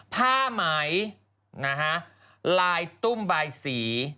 ผ้าไหมลายตุ้มบายสี